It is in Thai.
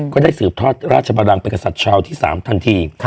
ก็ได้สืบทอดราชบรังเป็นกษัตริย์ชาวที่๓ทันที